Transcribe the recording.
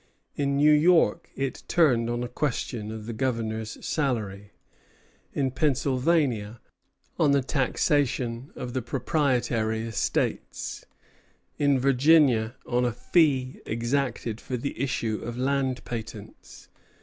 In New York it turned on a question of the governor's salary; in Pennsylvania on the taxation of the proprietary estates; in Virginia on a fee exacted for the issue of land patents.